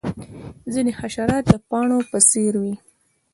ځینې حشرات د پاڼو په څیر وي